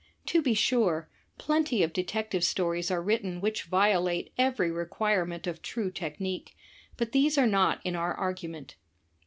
To be sure, plenty of Detective Stories are written which violate every requirement of true technique, but these are not in our argument.